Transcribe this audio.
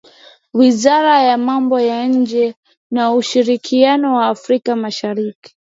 Wizara ya Mambo ya nje na ushirikiano wa Afrika Mashariki